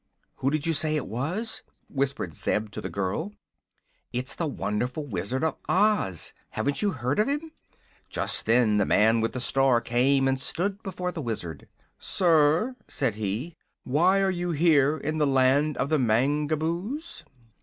"Who did you say it was?" whispered Zeb to the girl. "It's the wonderful Wizard of Oz. Haven't you heard of him?" Just then the man with the star came and stood before the Wizard. "Sir," said he, "why are you here, in the Land of the Mangaboos?"